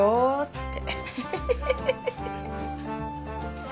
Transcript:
って。